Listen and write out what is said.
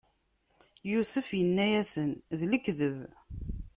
Yusef inna-yasen: D lekdeb!